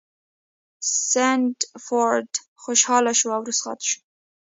سنډفورډ خوشحاله شو او رخصت شو.